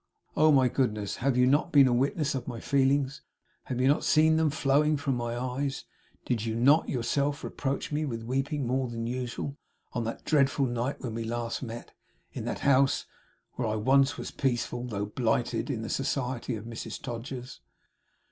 Oh, my goodness, have you not been a witness of my feelings have you not seen them flowing from my eyes did you not, yourself, reproach me with weeping more than usual on that dreadful night when last we met in that house where I once was peaceful though blighted in the society of Mrs Todgers!